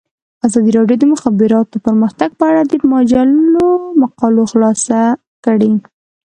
ازادي راډیو د د مخابراتو پرمختګ په اړه د مجلو مقالو خلاصه کړې.